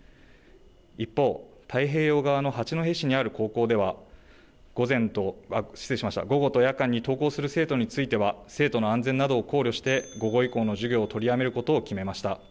一方、太平洋側の八戸市にある高校では午後と夜間に登校する生徒については生徒の安全などを考慮して午後以降の授業を取りやめることを決めました。